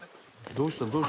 どうした？